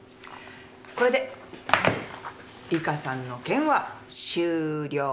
これでリカさんの件は終了。